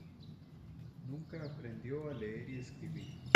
Nunca aprendió a leer y escribir.